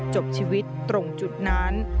จบชีวิตตรงจุดนั้น